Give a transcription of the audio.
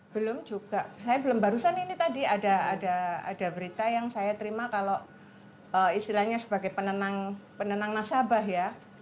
belum juga saya belum barusan ini tadi ada berita yang saya terima kalau istilahnya sebagai penenang nasabah ya